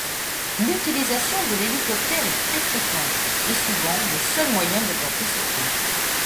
L’utilisation de l’hélicoptère est très fréquente, et souvent le seul moyen de porter secours.